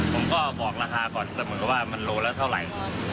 ผมก็บอกราคาก่อนเสมอว่ามันโลละเท่าไหร่